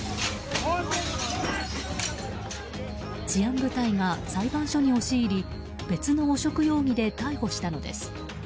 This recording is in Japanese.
治安部隊が裁判所に押し入り別の汚職容疑で逮捕したのです。